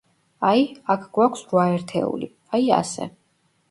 აი, აქ გვაქვს რვა ერთეული, აი, ასე.